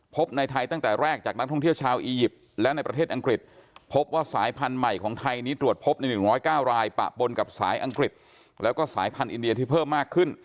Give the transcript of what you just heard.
พบในไทยตั้งแต่แรกจากนักท่องเที่ยวชาวอียิปต์และในประเทศอังกฤษพบว่าสายพันธุ์ใหม่ของไทยนี้ตรวจพบใน๑๐๙รายปะปนกับสายอังกฤษแล้วก็สายพันธุ์อินเดียที่เพิ่มมากขึ้น